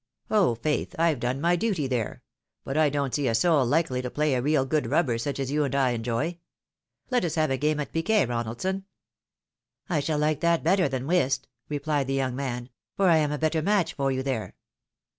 " Oh, faith ! I've done my duty there. But I don't see a soul hkely to play a real good rubber, such as you and I enjoy. Let us have a game at piquet, Ronaldson?" " I shall like that better than wliist,'' replied the young man, "for I am a better match for you there."